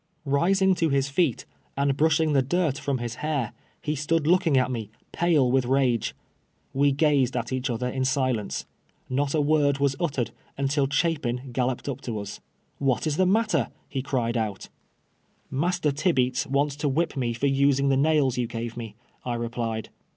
Rising to his feet, and brushing the dirt from his 112 TWFX^TE YEAKS A KLAVE. hair, lie stood looking at me, pale Avitli rage. We gazed at each other in silence. ]S'ot a word was ut tered until Chapin gidloped up to us. " AVhat is the matter T' he ci'Ied oat. " Master Tibeats wants to whip me for using the nails you gave me," I replied.